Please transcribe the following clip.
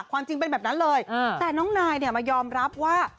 ความจริงเป็นแบบนั้นเลยแต่น้องนายเนี่ยมายอมรับว่า